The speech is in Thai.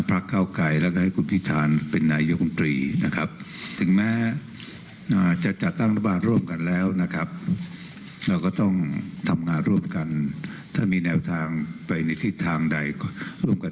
เพราะฉะนั้นผมจะทั้งคุณธรรมทริย์ที่อยู่ในประเทศไทยนะคะ